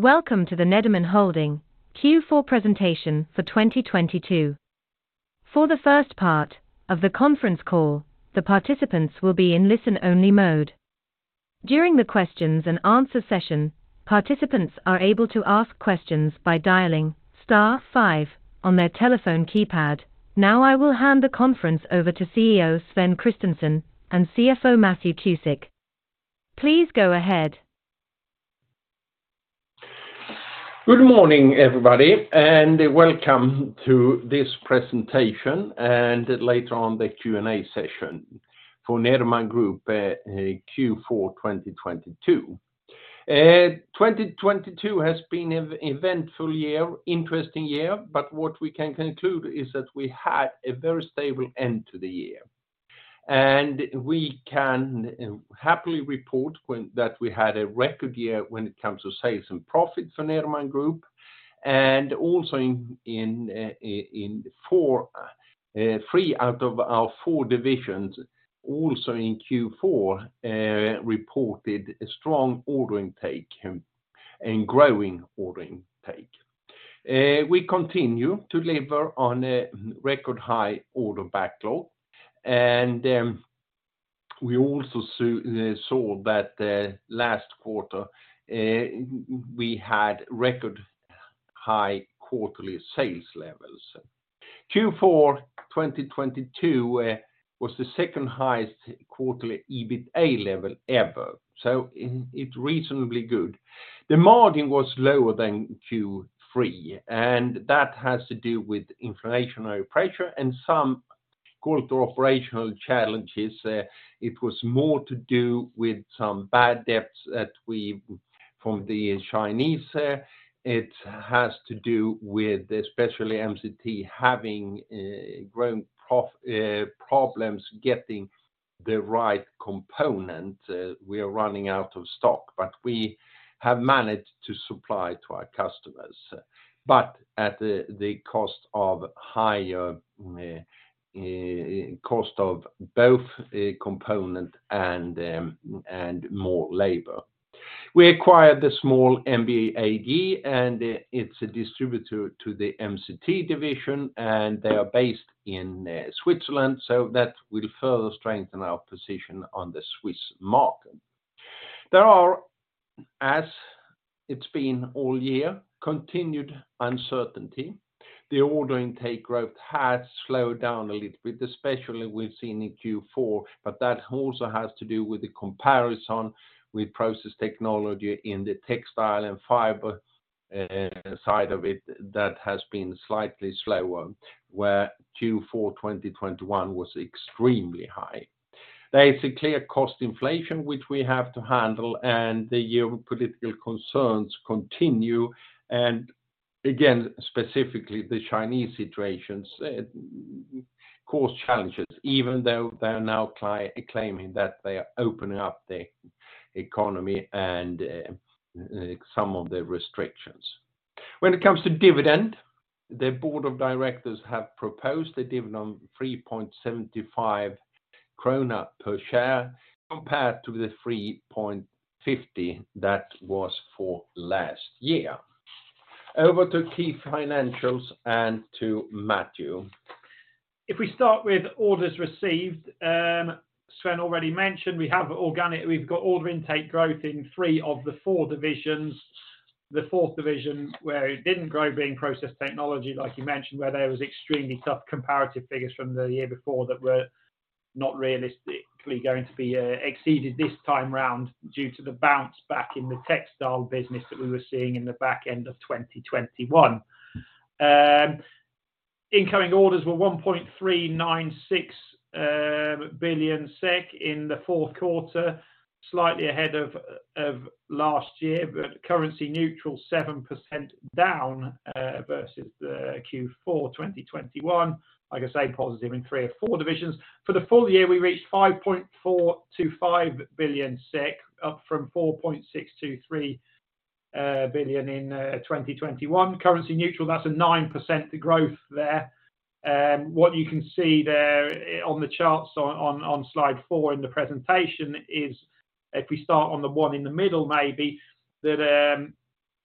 Welcome to the Nederman Holding Q4 presentation for 2022. For the first part of the conference call, the participants will be in listen-only mode. During the questions and answer session, participants are able to ask questions by dialing star five on their telephone keypad. I will hand the conference over to CEO Sven Kristensson and CFO Matthew Cusick. Please go ahead. Good morning, everybody, welcome to this presentation and later on the Q&A session for Nederman Group Q4 2022. 2022 has been an eventful year, interesting year, what we can conclude is that we had a very stable end to the year. We can happily report that we had a record year when it comes to sales and profit for Nederman Group and also in three out of our four divisions also in Q4, reported a strong order intake and growing order intake. We continue to lever on a record high order backlog, we also saw that last quarter, we had record high quarterly sales levels. Q4 2022 was the second highest quarterly EBITA level ever, it's reasonably good. The margin was lower than Q3, and that has to do with inflationary pressure and some quarter operational challenges. It was more to do with some bad debts that we from the Chinese. It has to do with especially MCT having grown problems getting the right component. We are running out of stock, but we have managed to supply to our customers, but at the cost of higher cost of both component and more labor. We acquired the small MBE AG, and it's a distributor to the MCT division, and they are based in Switzerland, so that will further strengthen our position on the Swiss market. There are, as it's been all year, continued uncertainty. The order intake growth has slowed down a little bit, especially we've seen in Q4, but that also has to do with the comparison with Process Technology in the textile and fiber side of it that has been slightly slower, where Q4 2021 was extremely high. There is a clear cost inflation which we have to handle, and the geopolitical concerns continue and again, specifically the Chinese situation cause challenges even though they are now claiming that they are opening up the economy and some of the restrictions. When it comes to dividend, the board of directors have proposed a dividend of 3.75 krona per share compared to the 3.50 that was for last year. Over to key financials and to Matthew. If we start with orders received, Sven already mentioned we have organic order intake growth in three of the four divisions. The fourth division where it didn't grow being Process Technology, like you mentioned, where there was extremely tough comparative figures from the year before that were not realistically going to be exceeded this time round due to the bounce back in the textile business that we were seeing in the back end of 2021. Incoming orders were 1.396 billion SEK in the fourth quarter, slightly ahead of last year, but currency neutral 7% down versus the Q4 2021. Like I say, positive in three of four divisions. For the full year, we reached 5.425 billion SEK, up from 4.623 billion in 2021. Currency neutral, that's a 9% growth there. What you can see there on the charts on slide four in the presentation is if we start on the one in the middle maybe, that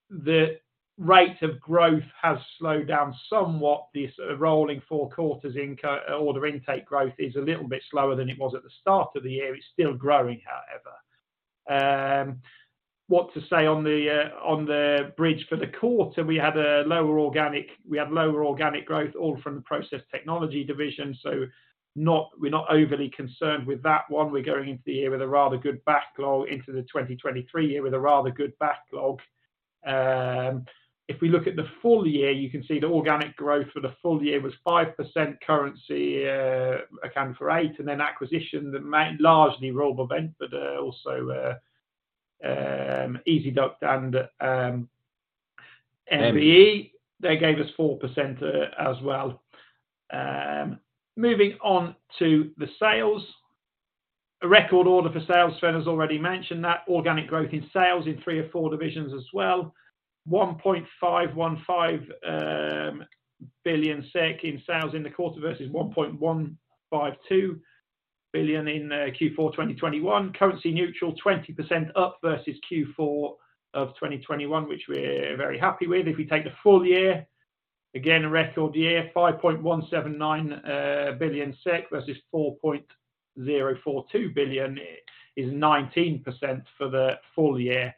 the rate of growth has slowed down somewhat. The rolling four quarters order intake growth is a little bit slower than it was at the start of the year. It's still growing, however. What to say on the bridge for the quarter, we had lower organic growth all from the Process Technology division. We're not overly concerned with that one. We're going into the year with a rather good backlog into the 2023 year with a rather good backlog. If we look at the full year, you can see the organic growth for the full year was 5% currency accounted for 8%, and then acquisition that largely RoboVent, but also Ezi-Duct and MBE. They gave us 4% as well. Moving on to the sales. A record order for sales, Sven has already mentioned that. Organic growth in sales in three of four divisions as well. 1.515 billion SEK in sales in the quarter versus 1.152 billion in Q4 2021. Currency neutral, 20% up versus Q4 of 2021, which we're very happy with. If you take the full year, again, a record year, 5.179 billion SEK versus 4.042 billion is 19% for the full year.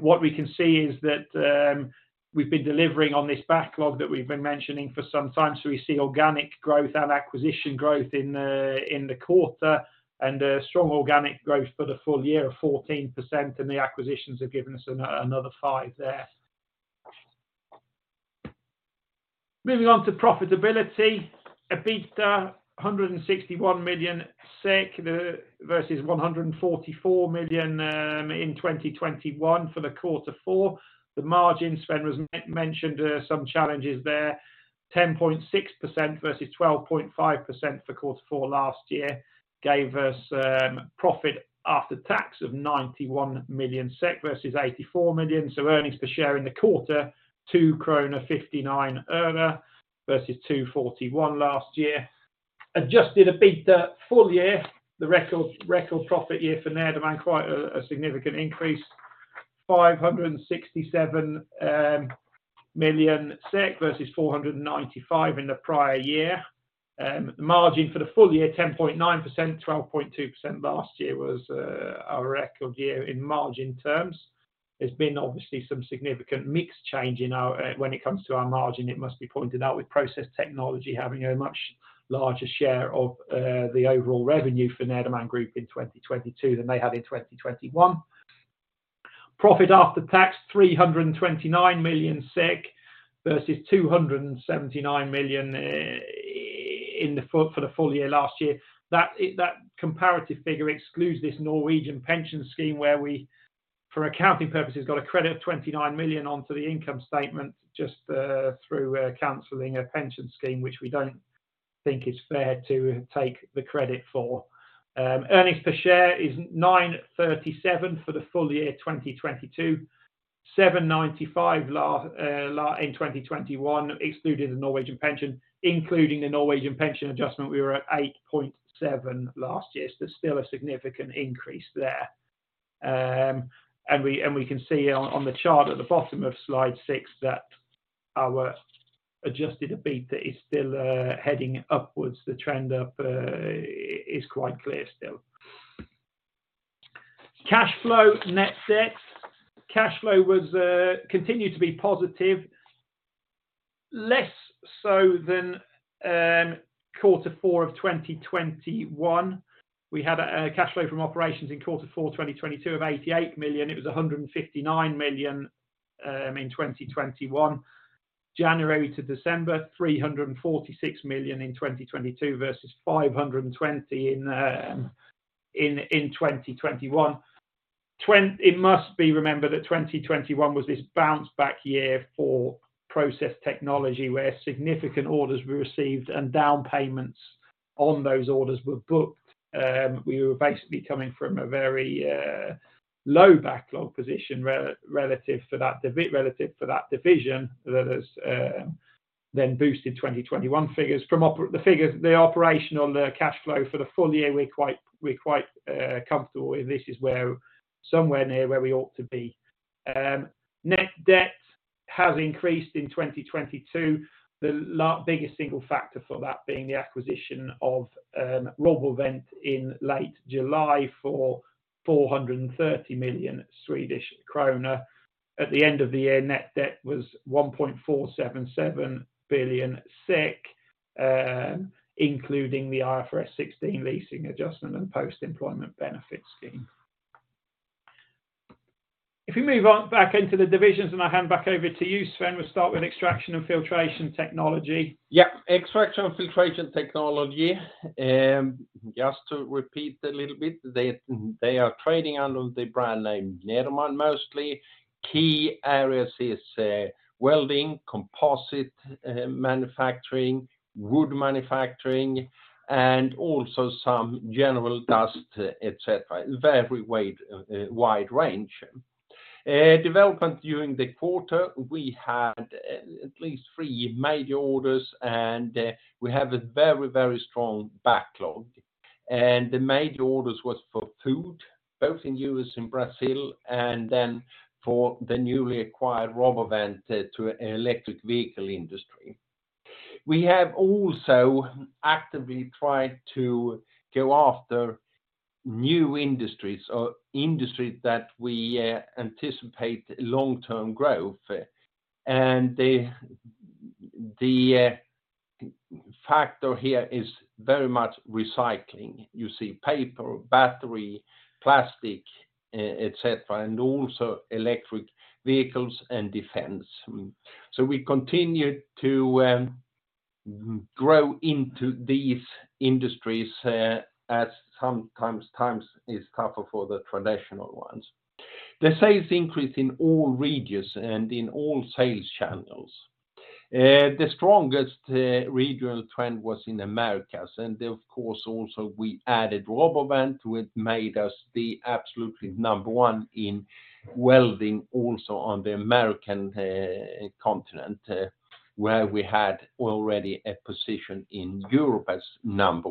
What we can see is that we've been delivering on this backlog that we've been mentioning for some time. We see organic growth and acquisition growth in the quarter, and a strong organic growth for the full year of 14%, and the acquisitions have given us another 5% there. Moving on to profitability. EBITDA, 161 million SEK versus 144 million in 2021 for the Q4. The margin, Sven mentioned some challenges there. 10.6% versus 12.5% for Q4 last year gave us profit after tax of 91 million SEK versus 84 million. Earnings per share in the quarter, 2.59 krona versus 2.41 last year. Adjusted EBITDA full year, the record profit year for Nederman, quite a significant increase. 567 million SEK versus 495 million in the prior year. The margin for the full year, 10.9%-12.2% last year was our record year in margin terms. There's been obviously some significant mix change when it comes to our margin. It must be pointed out with Process Technology having a much larger share of the overall revenue for Nederman Group in 2022 than they had in 2021. Profit after tax, 329 million SEK versus 279 million for the full year last year. That comparative figure excludes this Norwegian pension scheme where we, for accounting purposes, got a credit of 29 million onto the income statement just through canceling a pension scheme, which we don't think is fair to take the credit for. Earnings per share is 9.37 for the full year 2022, 7.95 in 2021, excluding the Norwegian pension. Including the Norwegian pension adjustment, we were at 8.7 last year. Still a significant increase there. We can see on the chart at the bottom of slide six that our adjusted EBITDA is still heading upwards. The trend up is quite clear still. Cash flow net debt. Cash flow was continued to be positive, less so than Q4 of 2021. We had a cash flow from operations in quarter four 2022 of 88 million. It was 159 million in 2021. January to December, 346 million in 2022 versus 520 million in 2021. It must be remembered that 2021 was this bounce back year for Process Technology, where significant orders were received and down payments on those orders were booked. We were basically coming from a very low backlog position relative for that division that has then boosted 2021 figures. From the operation on the cash flow for the full year, we're quite comfortable with. This is somewhere near where we ought to be. Net debt has increased in 2022, the biggest single factor for that being the acquisition of RoboVent in late July for 430 million Swedish kronor. At the end of the year, net debt was 1.477 billion SEK, including the IFRS 16 leasing adjustment and post-employment benefits scheme. We move on back into the divisions, and I'll hand back over to you, Sven, we'll start with Extraction & Filtration Technology. Yeah. Extraction & Filtration Technology, just to repeat a little bit, they are trading under the brand name Nederman mostly. Key areas is welding, composite, manufacturing, wood manufacturing, and also some general dust, etc. Very wide range. Development during the quarter, we had at least three major orders, we have a very, very strong backlog. The major orders was for food, both in U.S. and Brazil, then for the newly acquired RoboVent to electric vehicle industry. We have also actively tried to go after new industries or industries that we anticipate long-term growth. The factor here is very much recycling. You see paper, battery, plastic, etc., and also electric vehicles and defense. We continue to grow into these industries, as sometimes is tougher for the traditional ones. The sales increase in all regions and in all sales channels. Uh, the strongest, uh, regional trend was in Americas, and of course also we added RoboVent, which made us the absolutely number one in welding also on the American, uh, continent, uh, where we had already a position in Europe as number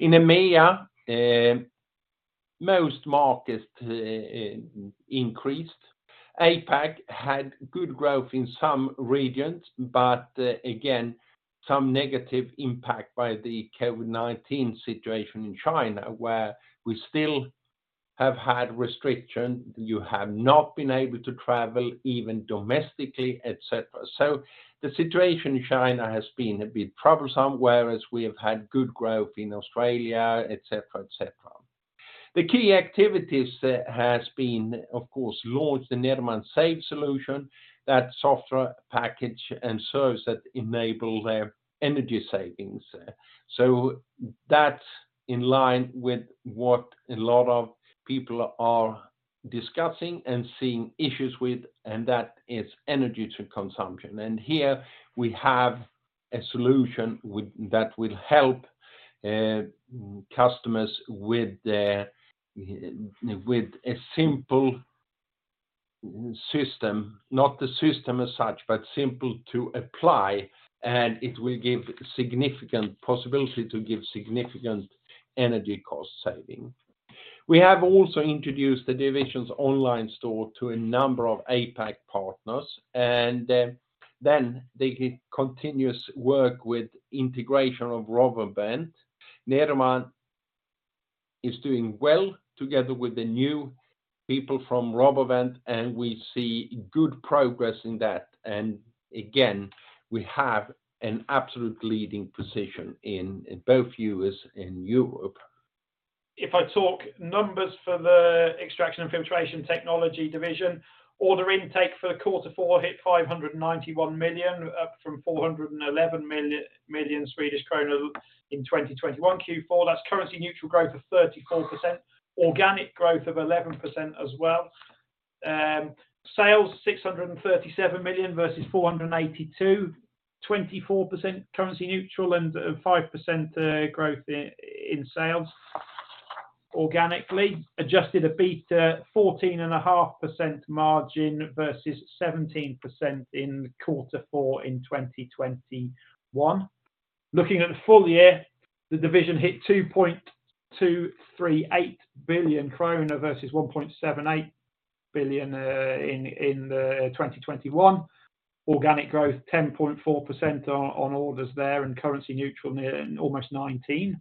one.In EMEA, uh, most markets, uh, increased. APAC had good growth in some regions, but, uh, again, some negative impact by the COVID-19 situation in China, where we still have had restriction. You have not been able to travel even domestically, et cetera. So the situation in China has been a bit troublesome, whereas we have had good growth in Australia, et cetera, et cetera. The key activities, uh, has been, of course, launch the Nederman SAVE solution, that software package and service that enable their energy savings. That's in line with what a lot of people are discussing and seeing issues with, and that is energy consumption. Here we have a solution with that will help customers with their with a simple system, not the system as such, but simple to apply, and it will give significant possibility to give significant energy cost saving. We have also introduced the division's online store to a number of APAC partners, and then the continuous work with integration of RoboVent. Nederman is doing well together with the new people from RoboVent, and we see good progress in that. Again, we have an absolute leading position in both U.S. and Europe. If I talk numbers for the Extraction & Filtration Technology division, order intake for quarter four hit 591 million, up from 411 million Swedish krona in 2021 Q4. That's currency neutral growth of 34%, organic growth of 11% as well. Sales 637 million versus 482 million, 24% currency neutral and 5% growth in sales organically. Adjusted EBITDA 14.5% margin versus 17% in quarter four in 2021. Looking at the full year, the division hit 2.238 billion krona versus 1.78 billion in 2021. Organic growth 10.4% on orders there and currency neutral near almost 19%.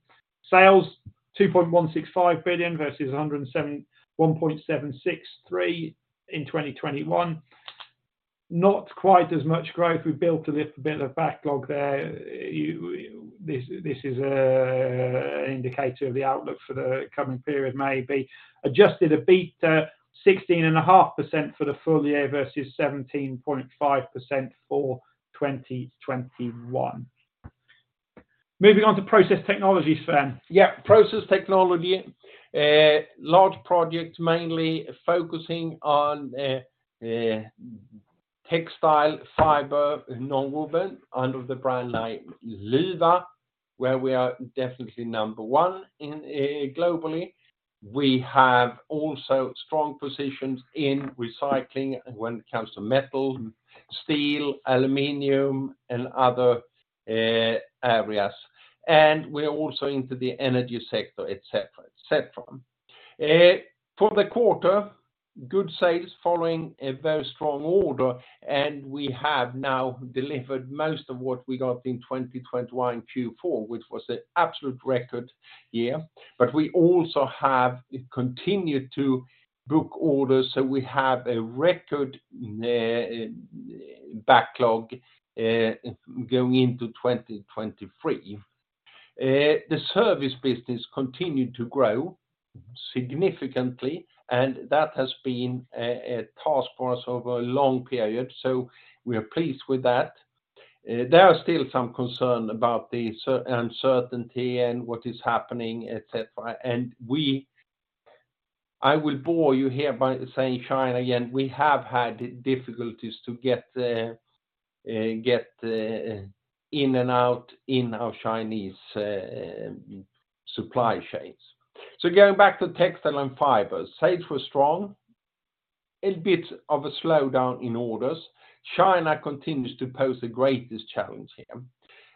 Sales 2.165 billion versus 1.763 billion in 2021. Not quite as much growth. We built a little bit of backlog there. This is an indicator of the outlook for the coming period maybe. Adjusted EBITDA 16.5% for the full year versus 17.5% for 2021. Moving on to Process Technology, Sven. Yeah, Process Technology, large projects mainly focusing on textile fiber nonwoven under the brand name Luwa, where we are definitely number one globally. We have also strong positions in recycling when it comes to metal, steel, aluminum and other areas, and we are also into the energy sector, et cetera, et cetera. For the quarter, good sales following a very strong order and we have now delivered most of what we got in 2021 Q4, which was an absolute record year. We also have continued to book orders, so we have a record backlog going into 2023. The service business continued to grow significantly, and that has been a task for us over a long period. We are pleased with that. There are still some concern about the uncertainty and what is happening, et cetera. I will bore you here by saying China again, we have had difficulties to get in and out in our Chinese supply chains. Going back to textile and fibers, sales were strong, a bit of a slowdown in orders. China continues to pose the greatest challenge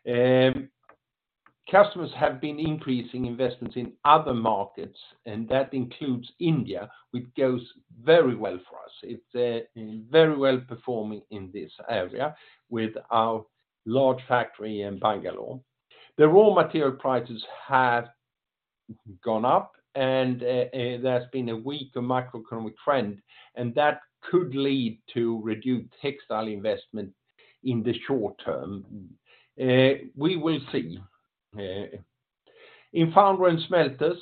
here. Customers have been increasing investments in other markets, that includes India, which goes very well for us. It's very well performing in this area with our large factory in Bangalore. The raw material prices have gone up, there's been a weaker macroeconomic trend, that could lead to reduced textile investment in the short term. We will see. In foundry and smelters,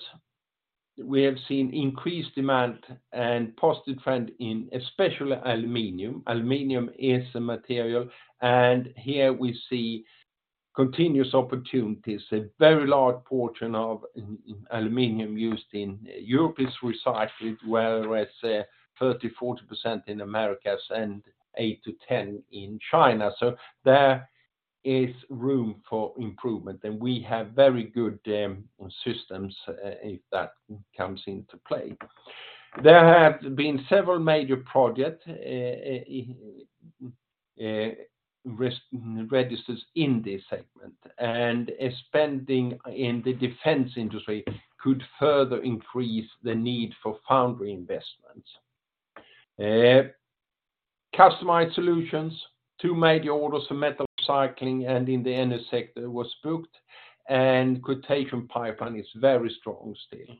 we have seen increased demand and positive trend in especially aluminum. Aluminum is a material, and here we see continuous opportunities. A very large portion of aluminum used in Europe is recycled, whereas 30%-40% in Americas and 8%-10% in China. There is room for improvement, and we have very good systems if that comes into play. There have been several major project registers in this segment, and spending in the defense industry could further increase the need for foundry investments. Customized solutions, two major orders for metal cycling and in the energy sector was booked and quotation pipeline is very strong still.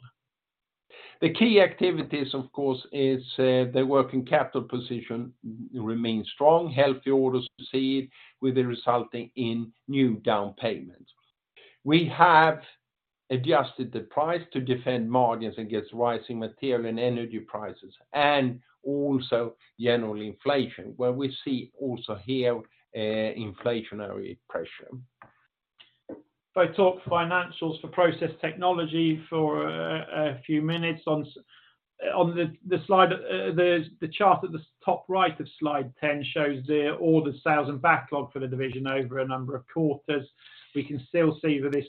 The key activities, of course, is the working capital position remains strong. Healthy orders proceed with the resulting in new down payments. We have adjusted the price to defend margins against rising material and energy prices and also general inflation, where we see also here, inflationary pressure. If I talk financials for Process Technology for a few minutes. On the slide, there's the chart at the top right of slide 10 shows the order sales and backlog for the division over a number of quarters. We can still see that this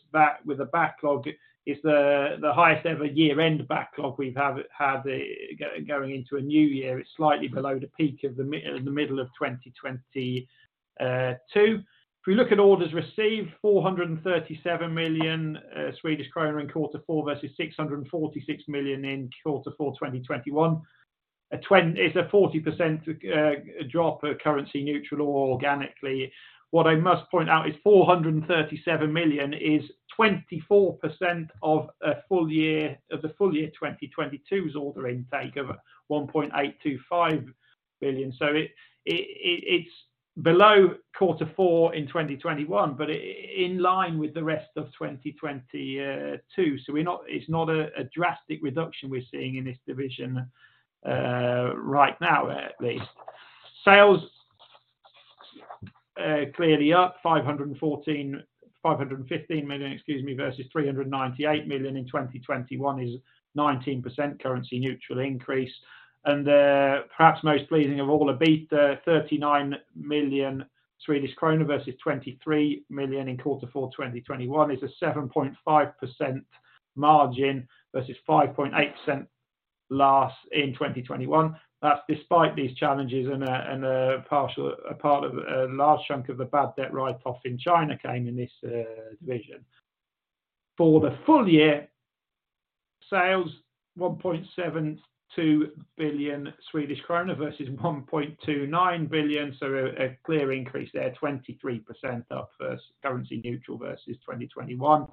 with the backlog is the highest ever year-end backlog we've had going into a new year. It's slightly below the peak of the middle of 2022. If we look at orders received, 437 million Swedish kronor in Q4 versus 646 million in Q4 2021. It's a 40% drop currency neutral or organically. What I must point out is 437 million is 24% of the full year 2022's order intake of 1.825 billion. It's below quarter four in 2021, but in line with the rest of 2022. It's not a drastic reduction we're seeing in this division right now, at least. Sales, clearly up 515 million versus 398 million in 2021 is 19% currency neutral increase. Perhaps most pleasing of all, EBITDA 39 million Swedish krona versus 23 million in quarter four 2021 is a 7.5% margin versus 5.8% last in 2021. That's despite these challenges and a partial... A part of, large chunk of the bad debt write-off in China came in this division. For the full year, sales 1.72 billion Swedish krona versus 1.29 billion. A clear increase there, 23% up versus currency neutral versus 2021.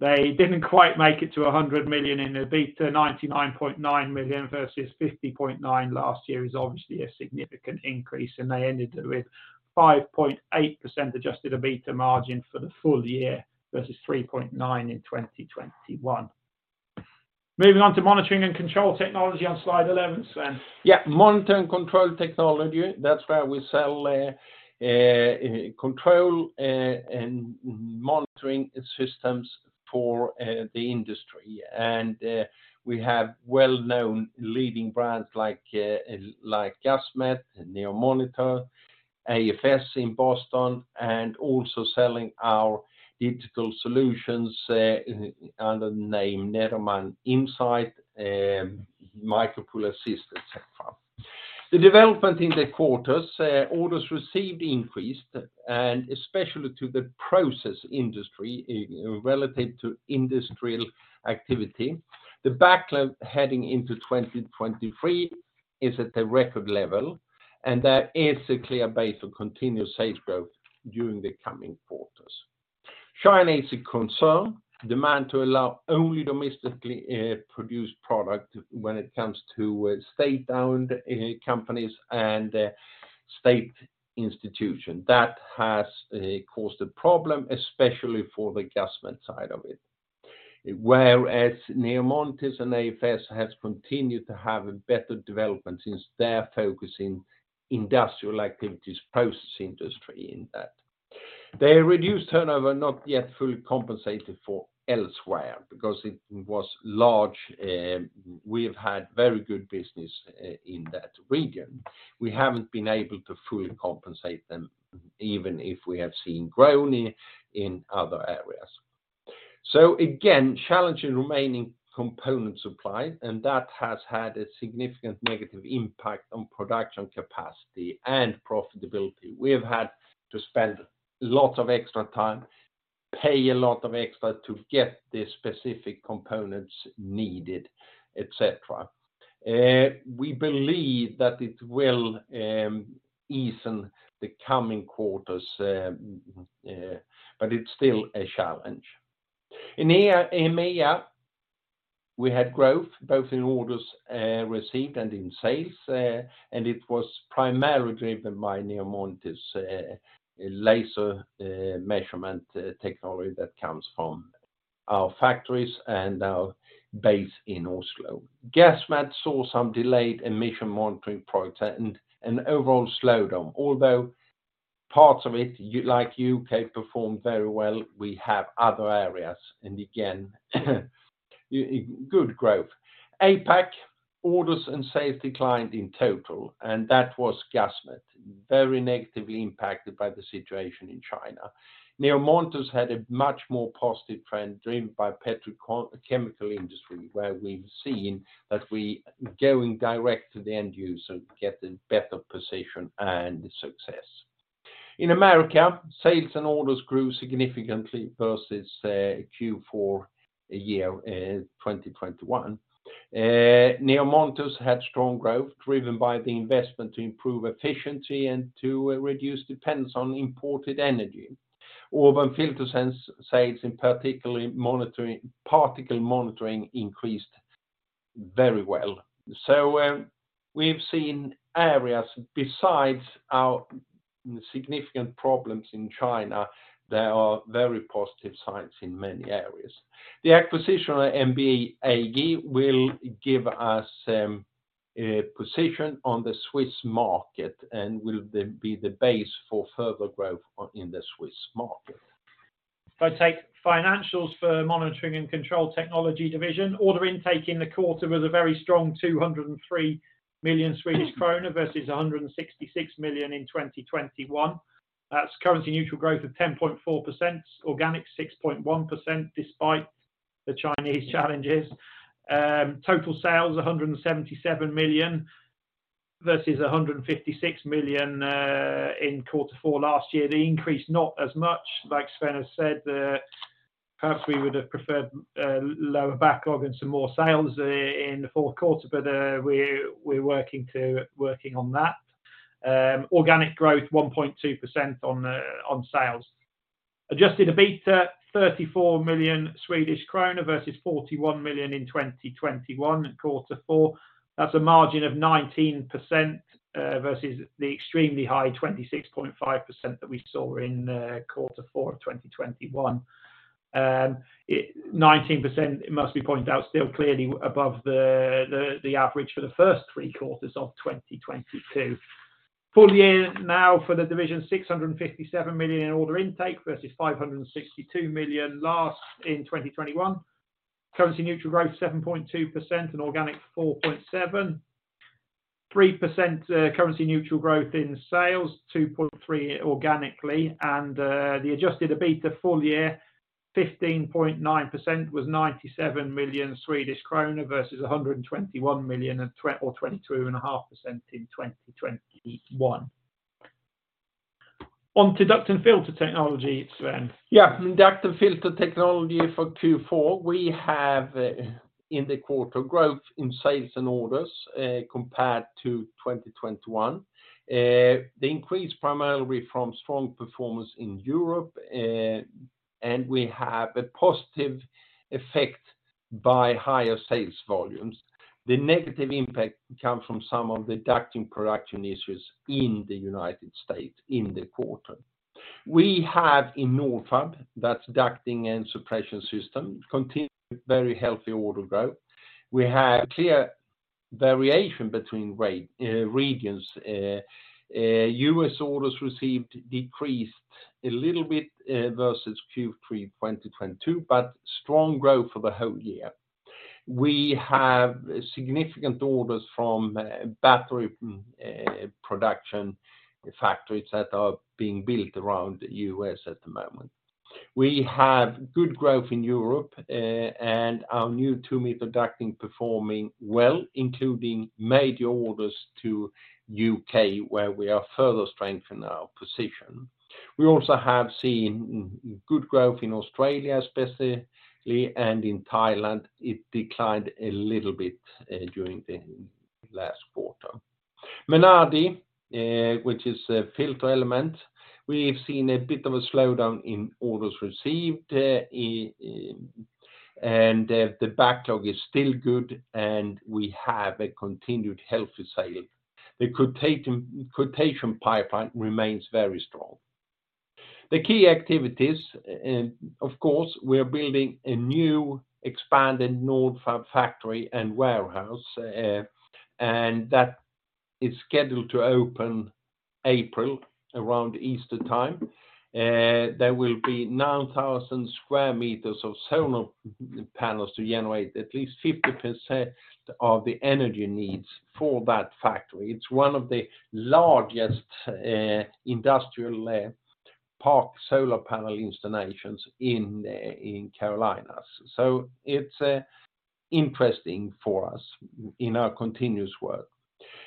They didn't quite make it to 100 million in EBITDA, 99.9 million versus 50.9 million last year is obviously a significant increase. They ended with 5.8% adjusted EBITDA margin for the full year versus 3.9% in 2021. Moving on to Monitoring & Control Technology on slide 11, Sven. Yeah. Monitoring & Control Technology, that's where we sell control and monitoring systems for the industry. We have well-known leading brands like like Gasmet and NEO Monitors, AFS in Boston, and also selling our digital solutions under the name Nederman Insight, MikroPul-Assist, et cetera. The development in the quarters, orders received increased, and especially to the process industry relative to industrial activity. The backlog heading into 2023 is at a record level, and that is a clear base of continued safe growth during the coming quarters. China is a concern. Demand to allow only domestically produced product when it comes to state-owned companies and state institution. That has caused a problem, especially for the Gasmet side of it. NEO Monitors and AFS have continued to have a better development since they are focusing industrial activities, process industry in that. Their reduced turnover not yet fully compensated for elsewhere because it was large. We have had very good business in that region. We haven't been able to fully compensate them, even if we have seen growth in other areas. Again, challenging remaining component supply, and that has had a significant negative impact on production capacity and profitability. We have had to spend lots of extra time, pay a lot of extra to get the specific components needed, et cetera. We believe that it will ease in the coming quarters, but it's still a challenge. In AI, we had growth both in orders received and in sales. It was primarily driven by NEO Monitors' laser measurement technology that comes from our factories and our base in Oslo. Gasmet saw some delayed emission monitoring projects and overall slowdown. Although parts of it, like UK, performed very well, we have other areas and again, good growth. APAC orders and sales declined in total. That was Gasmet, very negatively impacted by the situation in China. NEO Monitors had a much more positive trend driven by petrochemical industry, where we've seen that we going direct to the end user to get a better position and success. In America, sales and orders grew significantly versus Q4 a year, 2021. NEO Monitors had strong growth driven by the investment to improve efficiency and to reduce dependence on imported energy. Auburn FilterSense sales in particularly particle monitoring increased very well. We've seen areas besides our significant problems in China, there are very positive signs in many areas. The acquisition of MBE AG will give us a position on the Swiss market and will the, be the base for further growth on, in the Swiss market. If I take financials for Monitoring & Control Technology division, order intake in the quarter was a very strong 203 million Swedish kronor versus 166 million in 2021. That's currency neutral growth of 10.4%, organic 6.1% despite the Chinese challenges. Total sales 177 million versus 156 million in quarter four last year. The increase not as much, like Sven Kristensson has said, perhaps we would have preferred lower backlog and some more sales in the fourth quarter, we're working on that. Organic growth 1.2% on sales. Adjusted EBITDA 34 million Swedish kronor versus 41 million in 2021 quarter four. That's a margin of 19% versus the extremely high 26.5% that we saw in Q4 of 2021. 19%, it must be pointed out, still clearly above the average for the first three quarters of 2022. Full year now for the division 657 million in order intake versus 562 million last in 2021. Currency neutral growth 7.2% and organic 4.7%. 3%, currency neutral growth in sales, 2.3% organically, and the adjusted EBITDA full year 15.9% was 97 million Swedish kronor versus 121 million and 22.5% in 2021. On to Duct & Filter Technology, Sven. Yeah. Duct & Filter Technology for Q4, we have in the quarter growth in sales and orders compared to 2021. The increase primarily from strong performance in Europe, and we have a positive effect by higher sales volumes. The negative impact comes from some of the ducting production issues in the United States in the quarter. We have in Nordfab, that's ducting and suppression system, continued very healthy order growth. We have clear variation between regions. U.S. orders received decreased a little bit versus Q3 2022, but strong growth for the whole year. We have significant orders from battery production factories that are being built around the U.S. at the moment. We have good growth in Europe, and our new 2 m ducting performing well, including major orders to U.K., where we are further strengthening our position. We also have seen good growth in Australia, especially, and in Thailand, it declined a little bit during the last quarter. Menardi, which is a filter element, we have seen a bit of a slowdown in orders received, and the backlog is still good, and we have a continued healthy sale. The quotation pipeline remains very strong. The key activities, of course, we are building a new expanded Nordfab factory and warehouse, and that is scheduled to open April, around Easter time. There will be 9,000 square meters of solar panels to generate at least 50% of the energy needs for that factory. It's one of the largest industrial park solar panel installations in Carolinas. It's interesting for us in our continuous work.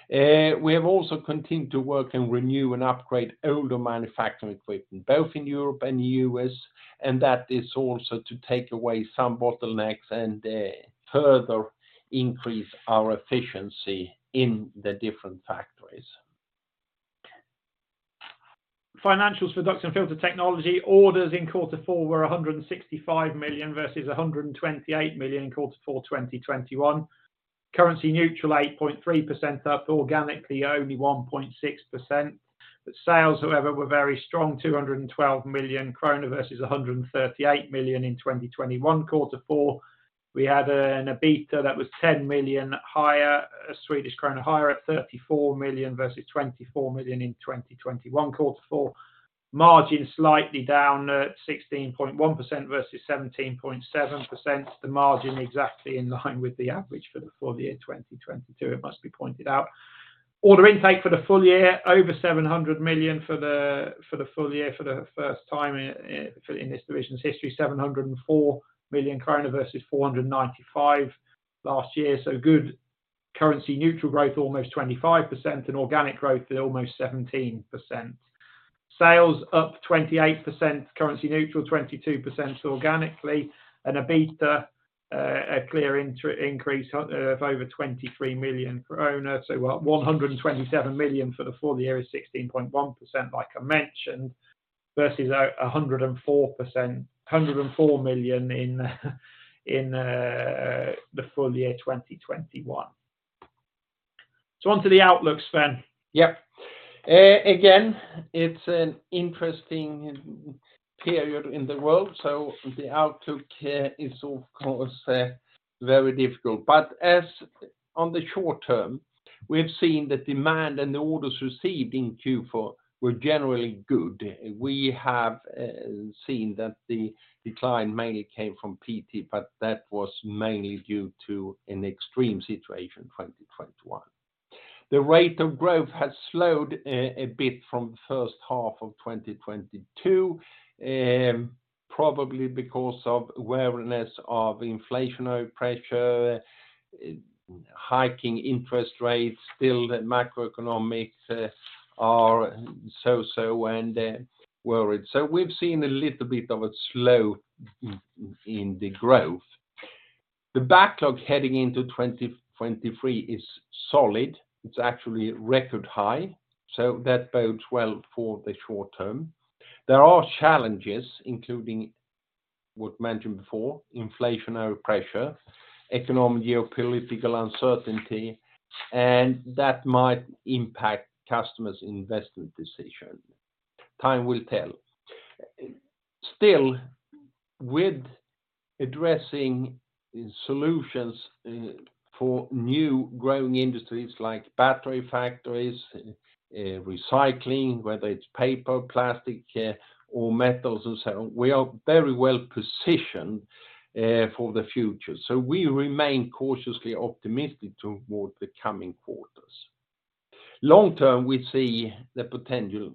We have also continued to work and renew and upgrade older manufacturing equipment, both in Europe and U.S. That is also to take away some bottlenecks and further increase our efficiency in the different factories. Financials for Duct & Filter Technology, orders in quarter four were 165 million versus 128 million in quarter four, 2021. Currency neutral 8.3% up, organically only 1.6%. Sales, however, were very strong, 212 million krona versus 138 million in 2021 quarter four. We had an EBITDA that was 10 million higher, Swedish krona higher at 34 million versus 24 million in 2021 quarter four. Margin slightly down at 16.1% versus 17.7%. The margin exactly in line with the average for the full year 2022, it must be pointed out. Order intake for the full year over 700 million for the full year for the first time in this division's history, 704 million krona versus 495 million last year. Good currency neutral growth almost 25% and organic growth at almost 17%. Sales up 28%, currency neutral 22% organically. EBITDA, a clear inter-increase of over 23 million. What, 127 million for the full year is 16.1% like I mentioned, versus 104 million in the full year 2021. Onto the outlooks, Sven. Yep. Again, it's an interesting period in the world, so the outlook here is of course, very difficult. As on the short term, we have seen the demand and the orders received in Q4 were generally good. We have seen that the decline mainly came from PT, but that was mainly due to an extreme situation in 2021. The rate of growth has slowed a bit from first half of 2022, probably because of awareness of inflationary pressure, hiking interest rates, still the macroeconomic are so and worried. We've seen a little bit of a slow in the growth. The backlog heading into 2023 is solid. It's actually record high, so that bodes well for the short term. There are challenges, including what mentioned before, inflationary pressure, economic geopolitical uncertainty, and that might impact customers' investment decision. Time will tell. Still, with addressing solutions for new growing industries like battery factories, recycling, whether it's paper, plastic, or metals and so on, we are very well positioned for the future. We remain cautiously optimistic toward the coming quarters. Long term, we see the potential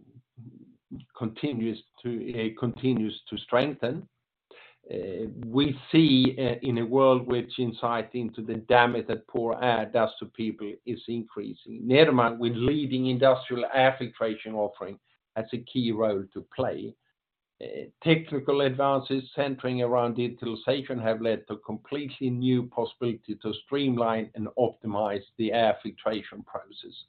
continues to strengthen. We see, in a world which insight into the damage that poor air does to people is increasing. Nederman, with leading industrial air filtration offering, has a key role to play. Technical advances centering around digitalization have led to completely new possibility to streamline and optimize the air filtration process.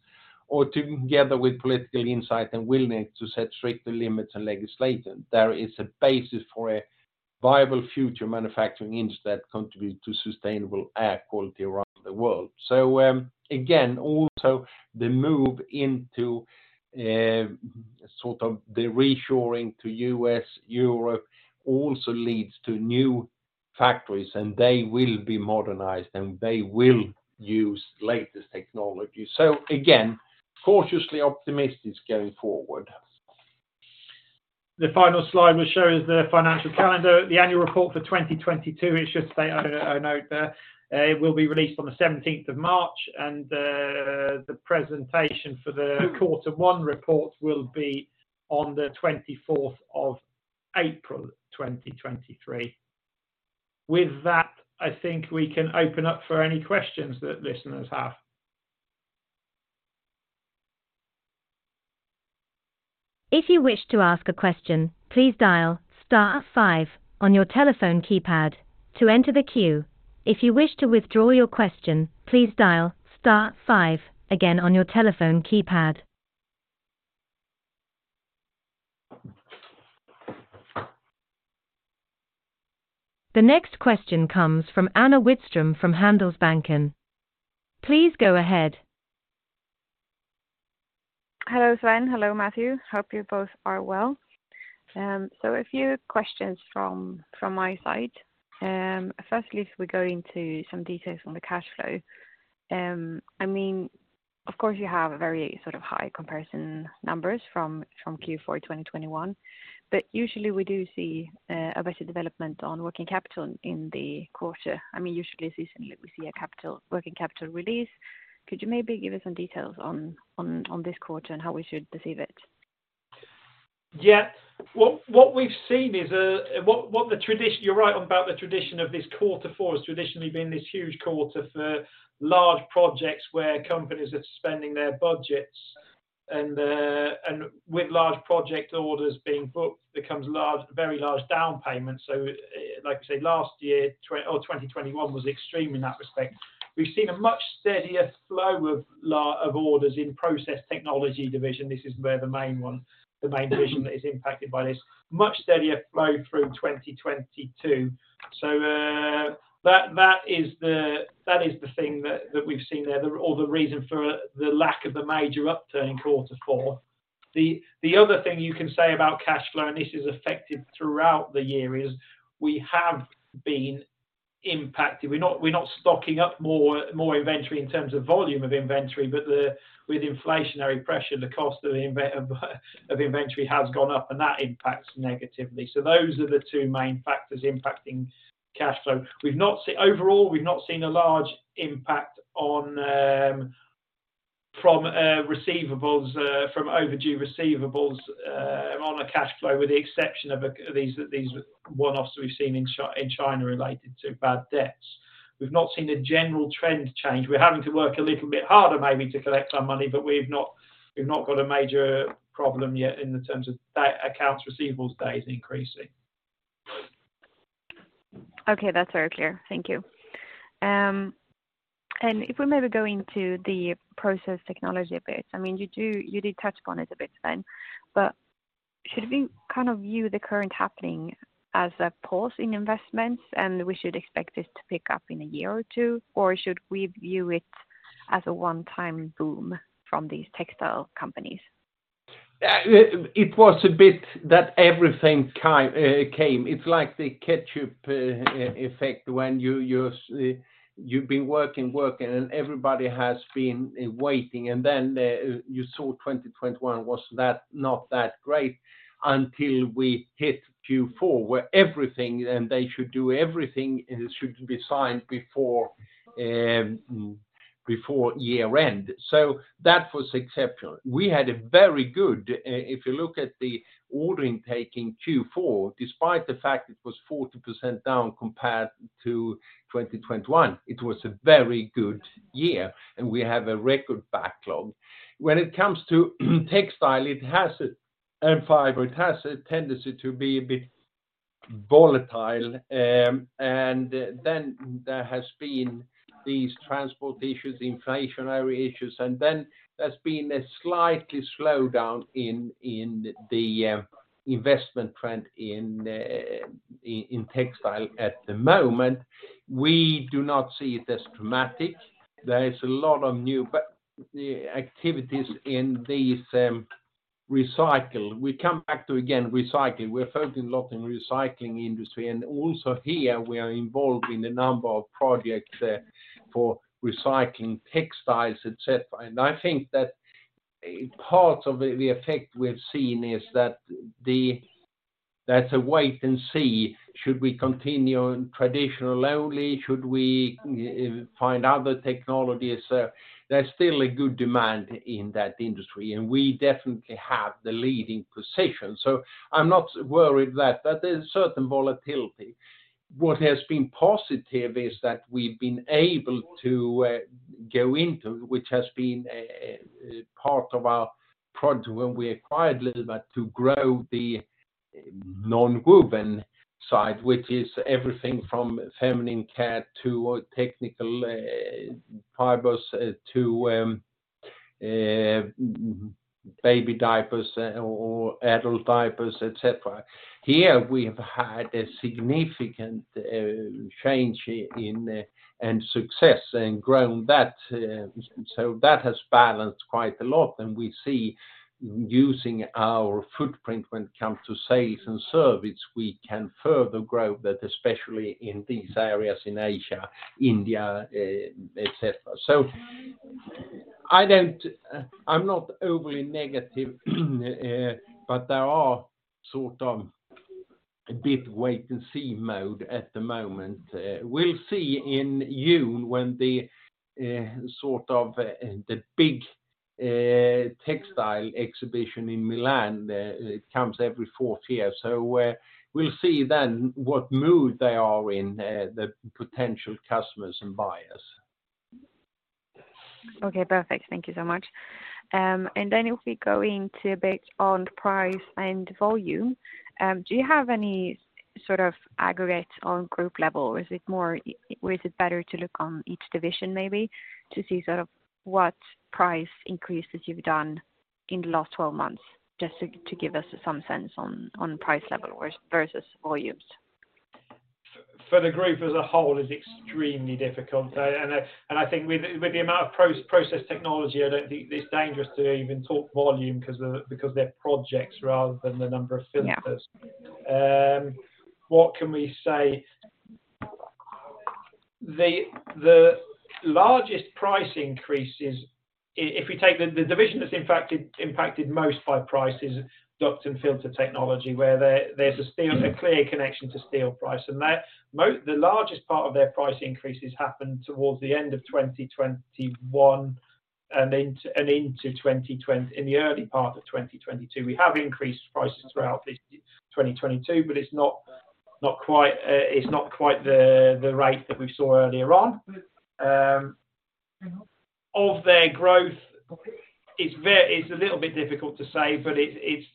All together with political insight and willingness to set stricter limits and legislation, there is a basis for a viable future manufacturing industry that contribute to sustainable air quality around the world. Again, also the move into sort of the reshoring to U.S., Europe also leads to new factories, and they will be modernized, and they will use latest technology. Again, cautiously optimistic going forward. The final slide we show is the financial calendar. The annual report for 2022, it should say note there, will be released on the 17th of March and the presentation for the quarter one report will be on the 24th of April 2023. I think we can open up for any questions that listeners have. If you wish to ask a question, please dial star five on your telephone keypad to enter the queue. If you wish to withdraw your question, please dial star five again on your telephone keypad. The next question comes from Anna Widström from Handelsbanken. Please go ahead. Hello, Sven. Hello, Matthew. Hope you both are well. A few questions from my side. Firstly, if we go into some details on the cash flow. I mean, of course you have very sort of high comparison numbers from Q4 2021, but usually we do see a better development on working capital in the quarter. I mean, usually seasonally we see a working capital release. Could you maybe give us some details on this quarter and how we should perceive it? What we've seen is, what the tradition. You're right on about the tradition of this Q4 has traditionally been this huge quarter for large projects where companies are spending their budgets, and with large project orders being booked becomes large, very large down payments. Like I said, last year or 2021 was extreme in that respect. We've seen a much steadier flow of orders in Process Technology division. This is where the main one, the main division that is impacted by this. Much steadier flow through 2022. That, that is the, that is the thing that we've seen there or the reason for the lack of a major uptick in Q4. The other thing you can say about cash flow, and this is effective throughout the year, is we have been impacted. We're not stocking up more inventory in terms of volume of inventory, but with inflationary pressure, the cost of inventory has gone up, and that impacts negatively. Those are the two main factors impacting cash flow. We've not seen. Overall, we've not seen a large impact on from receivables from overdue receivables on the cash flow, with the exception of these one-offs we've seen in China related to bad debts. We've not seen a general trend change. We're having to work a little bit harder maybe to collect our money, but we've not got a major problem yet in the terms of accounts receivables days increasing. Okay, that's very clear. Thank you. If we maybe go into the Process Technology a bit, I mean, you did touch upon it a bit then. Should we kind of view the current happening as a pause in investments, and we should expect it to pick up in a year or two? Or should we view it as a one-time boom from these textile companies? It was a bit that everything came. It's like the ketchup effect when you've been working, and everybody has been waiting. You saw 2021 was not that great until we hit Q4, where everything, they should do everything, it should be signed before year-end. That was exceptional. We had a very good, if you look at the ordering taking Q4, despite the fact it was 40% down compared to 2021, it was a very good year, and we have a record backlog. When it comes to textile, and fiber, it has a tendency to be a bit volatile. Then there has been these transport issues, inflationary issues, and then there's been a slightly slowdown in the investment trend in textile at the moment. We do not see it as dramatic. There is a lot of new but activities in these recycle. We come back to, again, recycling. We're focused a lot in recycling industry, and also here we are involved in a number of projects for recycling textiles, et cetera. I think that part of the effect we've seen is that's a wait and see. Should we continue on traditional only? Should we find other technologies? There's still a good demand in that industry, and we definitely have the leading position. I'm not worried that, but there's certain volatility. What has been positive is that we've been able to go into, which has been a part of our project when we acquired Luwa to grow the nonwoven side, which is everything from feminine care to technical fibers to baby diapers or adult diapers, et cetera. Here we have had a significant change in and success and grown that, so that has balanced quite a lot. We see using our footprint when it comes to sales and service, we can further grow that, especially in these areas in Asia, India, et cetera. I don't, I'm not overly negative, but there are sort of a bit wait and see mode at the moment. We'll see in June when the sort of the big textile exhibition in Milan, it comes every fourth year. We'll see then what mood they are in, the potential customers and buyers. Okay, perfect. Thank you so much. If we go into a bit on price and volume, do you have any sort of aggregate on group level? Or is it better to look on each division maybe to see sort of what price increases you've done in the last 12 months, just to give us some sense on price level versus volumes? For the group as a whole is extremely difficult. I think with the amount of Process Technology, I don't think it's dangerous to even talk volume because they're projects rather than the number of filters. Yeah. What can we say? The largest price increases if we take the division that's impacted most by price is Duct & Filter Technology, where there's a clear connection to steel price. They're the largest part of their price increases happened towards the end of 2021 and into the early part of 2022. We have increased prices throughout this 2022, but it's not quite the rate that we saw earlier on. Of their growth, it's a little bit difficult to say, but it's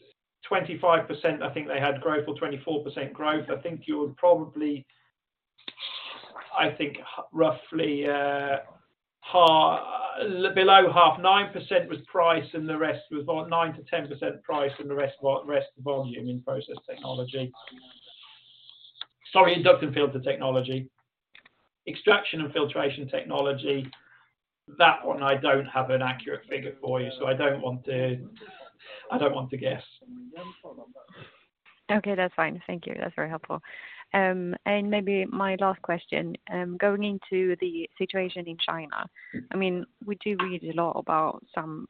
25% I think they had growth or 24% growth. I think you would probably, I think roughly, half, below half. 9% was price, and the rest was what? 9%-10% price and the rest, what? Rest volume in Process Technology. Sorry, in Duct & Filter Technology. Extraction and Filtration Technology That one I don't have an accurate figure for you, so I don't want to guess. Okay, that's fine. Thank you. That's very helpful. Maybe my last question, going into the situation in China. I mean, we do read a lot about some,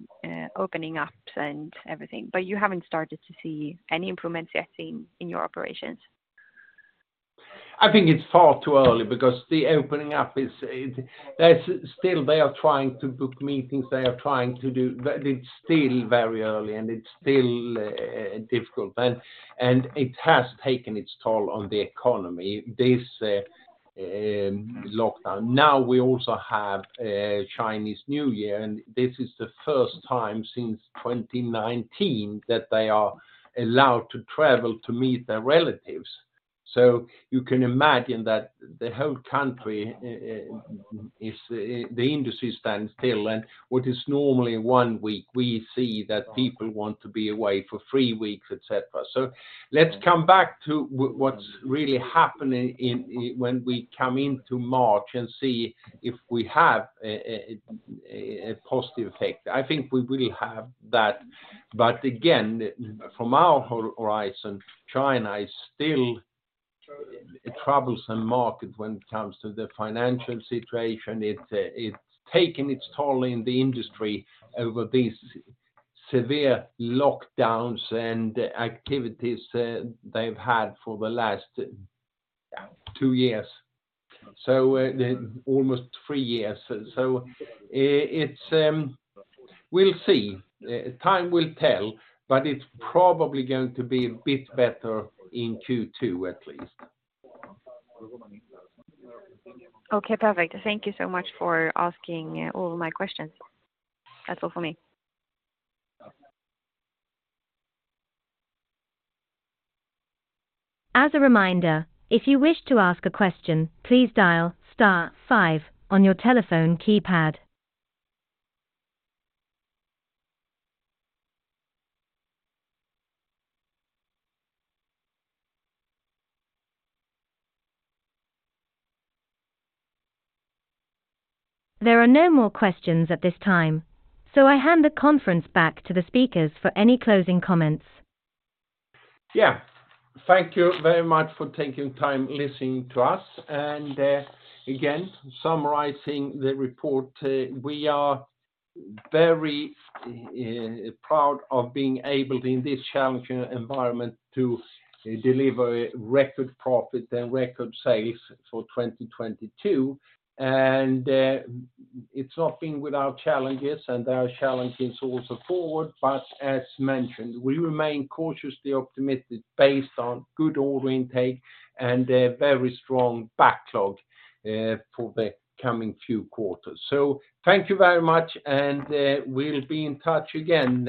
opening up and everything, but you haven't started to see any improvements yet in your operations? I think it's far too early because the opening up is. There's still they are trying to book meetings, they are trying to do. It's still very early, and it's still difficult. it has taken its toll on the economy, this lockdown. we also have Chinese New Year, and this is the first time since 2019 that they are allowed to travel to meet their relatives. you can imagine that the whole country, the industry stands still. what is normally one week, we see that people want to be away for three weeks, et cetera. let's come back to what's really happening in, when we come into March and see if we have a positive effect. I think we will have that. Again, from our horizon, China is still a troublesome market when it comes to the financial situation. It's taken its toll in the industry over these severe lockdowns and activities they've had for the last two years. Almost three years. We'll see. Time will tell, it's probably going to be a bit better in Q2 at least. Okay, perfect. Thank you so much for asking all my questions. That's all for me. As a reminder, if you wish to ask a question, please dial star five on your telephone keypad. There are no more questions at this time, I hand the conference back to the speakers for any closing comments. Yeah. Thank you very much for taking time listening to us. Again, summarizing the report, we are very proud of being able in this challenging environment to deliver record profit and record sales for 2022. It's not been without challenges and there are challenges also forward. As mentioned, we remain cautiously optimistic based on good order intake and a very strong backlog for the coming few quarters. Thank you very much, we'll be in touch again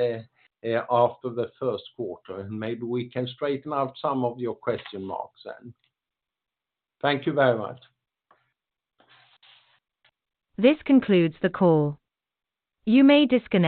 after the first quarter, and maybe we can straighten out some of your question marks then. Thank you very much. This concludes the call. You may disconnect.